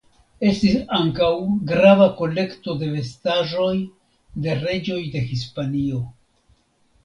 Estis ankaŭ grava kolekto de vestaĵoj de reĝoj de Hispanio.